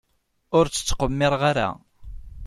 Ur tt-ttqemmireɣ ara.